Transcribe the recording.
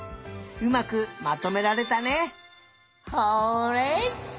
うまくまとめられたね！